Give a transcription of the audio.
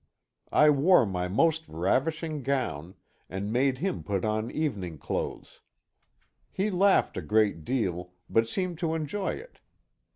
I wore my most ravishing gown, and made him put on evening clothes. He laughed a great deal, but seemed to enjoy it.